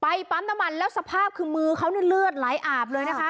ปั๊มน้ำมันแล้วสภาพคือมือเขาเนี่ยเลือดไหลอาบเลยนะคะ